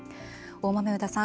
大豆生田さん